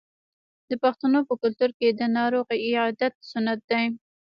د پښتنو په کلتور کې د ناروغ عیادت سنت دی.